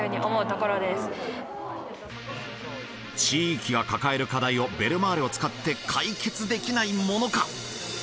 地域が抱える課題をベルマーレを使って解決できないものか。